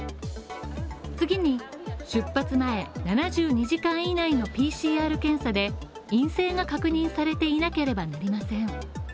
次に、出発前７２時間以内のＰＣＲ検査で陰性が確認されていなければなりません。